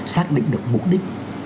xác định được mục đích